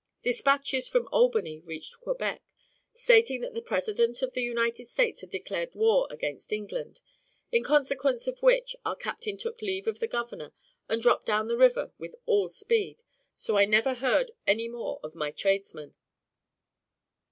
Despatches from Albany reached Quebec, stating that the President of the United States had declared war against England; in consequence of which, our captain took leave of the governor, and dropped down the river with all speed, so I never heard any more of my tradesman.